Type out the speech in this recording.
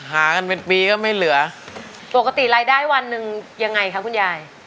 หากันเป็นปีก็ไม่เหลือปกติรายได้วันหนึ่งยังไงคะคุณยาย